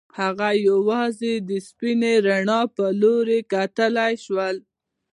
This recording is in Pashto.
هغه یوازې د سپینې رڼا په لور کتلای شوای